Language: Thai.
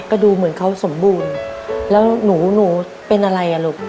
ก็ดูเหมือนเขาสมบูรณ์แล้วหนูเป็นอะไรอ่ะลูก